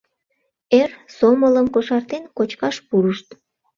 Эр сомылым кошартен, кочкаш пурышт.